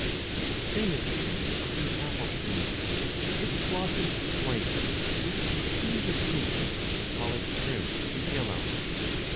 The same is true of the apple tree ; its blossom is white with a tinge of pink, while its fruit is yellow.